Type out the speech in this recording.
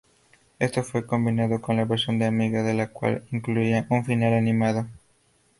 Esto fue cambiado en la versión de amiga, la cual incluía un final animado.